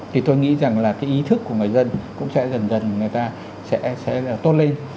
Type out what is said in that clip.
thì tôi nghĩ rằng là cái ý thức của người dân cũng sẽ dần dần người ta sẽ tốt lên